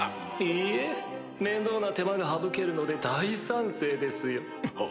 いいえ面倒な手間が省けるので大賛成ですよ。